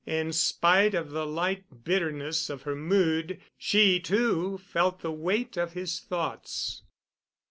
In spite of the light bitterness of her mood, she, too, felt the weight of his thoughts.